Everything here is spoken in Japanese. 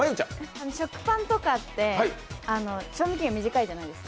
食パンとかって消費期限短いじゃないですか。